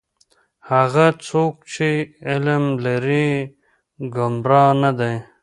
هغه څوک چې علم لري گمراه نه دی.